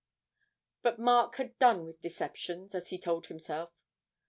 But Mark had done with deceptions, as he told himself.